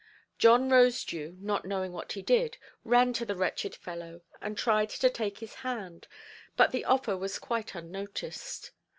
John Rosedew, not knowing what he did, ran to the wretched fellow, and tried to take his hand, but the offer was quite unnoticed.